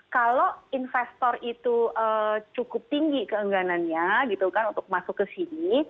kalau investor itu cukup tinggi keengganannya gitu kan untuk masuk ke sini